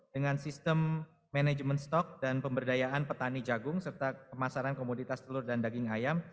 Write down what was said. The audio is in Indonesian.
dengan sistem manajemen stok dan pemberdayaan petani jagung serta pemasaran komoditas telur dan daging ayam